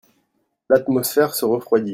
l'atmosphère se refroidit.